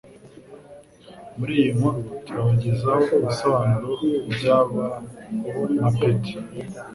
Muri iyi nkuru turabagezaho ibisobanuro by'aya mapeti